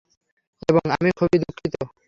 এবং আমি খুবই দুঃখিত।